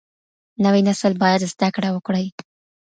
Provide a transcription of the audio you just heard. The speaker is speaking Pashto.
نوی نسل باید زده کړه وکړي.